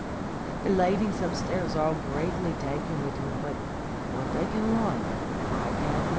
The ladies upstairs are all greatly taken wid him, but what they can like I can't, thin.